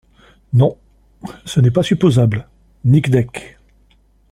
Non… ce n’est pas supposable, Nic Deck.